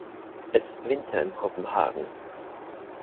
Es ist Winter in Kopenhagen.